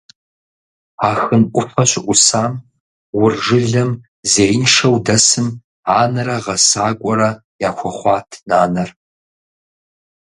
Ахын Ӏуфэ щыӀусам Ур жылэм зеиншэу дэсым анэрэ гъэсакӀуэрэ яхуэхъуат нанэр.